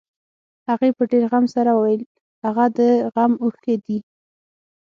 هغې په ډېر غم سره وويل هغه د غم اوښکې دي.